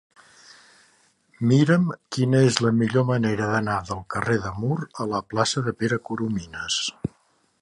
Mira'm quina és la millor manera d'anar del carrer de Mur a la plaça de Pere Coromines.